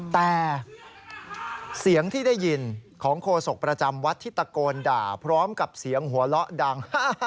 แต่เสียงที่ได้ยินของโฆษกประจำวัดที่ตะโกนด่าพร้อมกับเสียงหัวเราะดัง